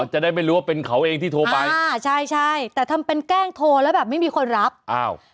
จะได้ไม่รู้ว่าเป็นเขาเองที่โทรไปอ่าใช่ใช่แต่ทำเป็นแกล้งโทรแล้วแบบไม่มีคนรับอ้าว